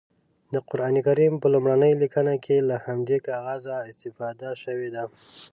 د قرانکریم په لومړنۍ لیکنه کې له همدې کاغذه استفاده شوې ده.